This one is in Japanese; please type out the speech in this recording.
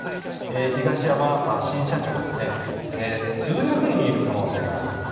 東山新社長は数百人いる可能性があると。